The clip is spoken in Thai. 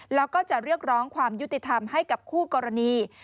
แล้วก็จะเรียกร้องความยุติธรรมให้กับคู่กรณี